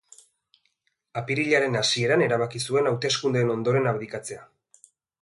Apirilaren hasieran erabaki zuen hauteskundeen ondoren abdikatzea.